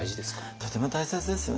とても大切ですよね。